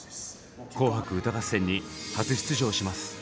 「紅白歌合戦」に初出場します。